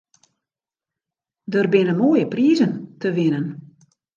Der binne moaie prizen te winnen.